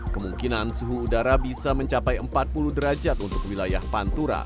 kemungkinan suhu udara bisa mencapai empat puluh derajat untuk wilayah pantura